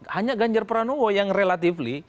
hanya ganjar pranowo yang relatively